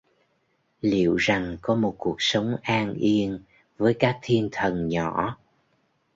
Liệu rằng có một cuộc sống an Yên với các thiên thần nhỏ